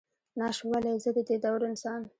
ناش ولئ، زه ددې دور انسان.